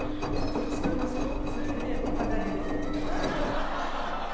これ使えますか？